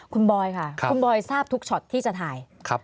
คุณบอยค่ะคุณบอยทราบทุกช็อตที่จะถ่าย